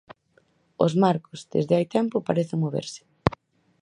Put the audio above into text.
Os marcos, desde hai tempo, parecen moverse.